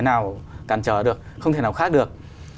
nào cản trở được không thể nào khác được